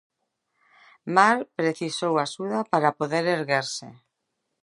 Marc precisou axuda para poder erguerse.